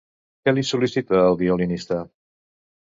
Què li sol·licita el violinista?